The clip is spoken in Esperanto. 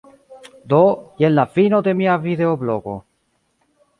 Do, jen la fino de mia videoblogo.